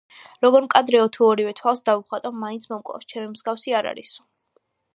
როგორ მკადრეო; თუ ორივე თვალს დავუხატავ, მაინც მომკლავს: ჩემი მსგავსი არ არისო.